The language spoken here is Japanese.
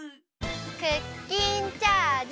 クッキンチャージ！